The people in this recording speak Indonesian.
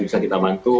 bisa kita bantu